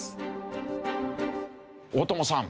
大友さん。